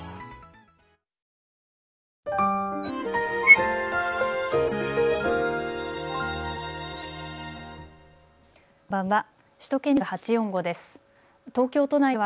こんばんは。